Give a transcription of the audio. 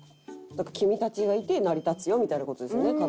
だから「君たちがいて成り立つよ」みたいな事ですよね